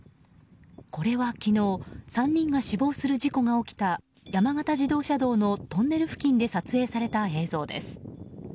これは昨日３人が死亡する事故が起きた山形自動車道のトンネル付近で撮影された映像です。